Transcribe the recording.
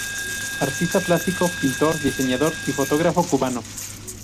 Artista plástico, pintor, diseñador y fotógrafo cubano.